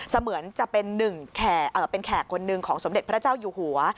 เสมือนจะเป็นแขกคนหนึ่งของสมเด็จพระเจ้าอยู่หัว